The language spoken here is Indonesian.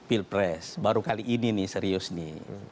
ini pps baru kali ini serius ini